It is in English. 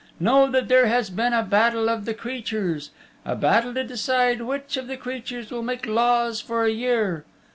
Know that there has been a battle of the creatures a battle to decide which of the creatures will make laws for a year.